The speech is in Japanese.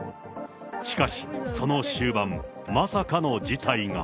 しかし、その終盤、まさかの事態が。